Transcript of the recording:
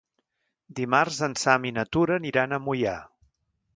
Dimarts en Sam i na Tura aniran a Moià.